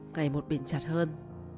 ngày một biển chặt hơn